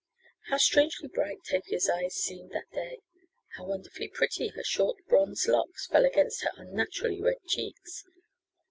How strangely bright Tavia's eyes seemed that day! How wonderfully pretty her short bronze locks fell against her unnaturally red cheeks!